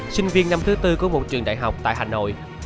sinh viên năm thứ tư của một trường đại học tại hà nội